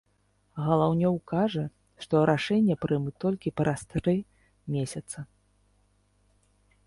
Галаўнёў кажа, што рашэнне прымуць толькі праз тры месяца.